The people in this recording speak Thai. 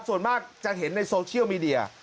ส่วนมากจะเห็นในโซเชียลมีเดีย